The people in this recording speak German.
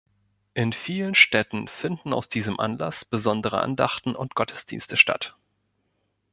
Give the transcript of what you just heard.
In vielen Städten finden aus diesem Anlass besondere Andachten und Gottesdienste statt.